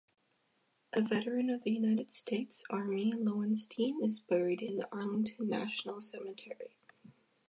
A veteran of the United States Army, Lowenstein is buried in Arlington National Cemetery.